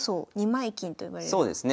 そうですね。